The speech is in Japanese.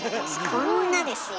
こんなですよ。